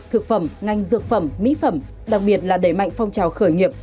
thực phẩm ngành dược phẩm mỹ phẩm đặc biệt là đẩy mạnh phong trào khởi nghiệp